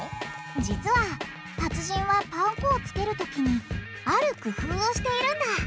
実は達人はパン粉をつけるときにある工夫をしているんだ！